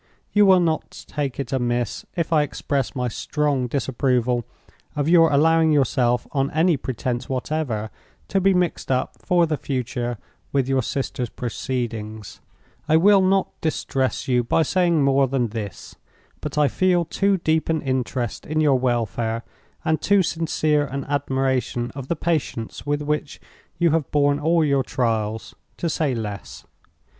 You will not take it amiss if I express my strong disapproval of your allowing yourself, on any pretense whatever, to be mixed up for the future with your sister's proceedings. "I will not distress you by saying more than this. But I feel too deep an interest in your welfare, and too sincere an admiration of the patience with which you have borne all your trials, to say less.